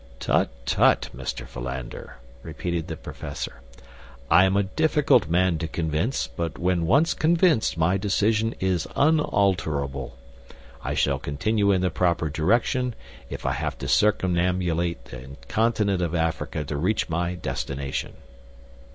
"Tut, tut, Mr. Philander," repeated the professor. "I am a difficult man to convince, but when once convinced my decision is unalterable. I shall continue in the proper direction, if I have to circumambulate the continent of Africa to reach my destination."